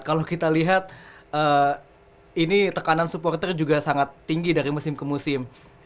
kalau kita lihat ini tekanan supporter juga sangat tinggi dari musim ke musim